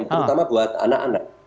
terutama buat anak anak